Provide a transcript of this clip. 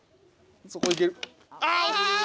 そこいける。